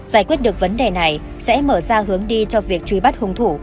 giải quyết được vấn đề này sẽ mở ra hướng đi cho việc truy bắt